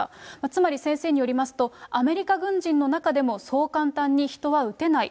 つまり先生によりますと、アメリカ軍人の中でもそう簡単に人は撃てない。